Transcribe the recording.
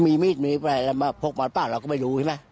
มีมีดมีไปพกมาบ้านเราก็ไม่รู้ใช่ไหม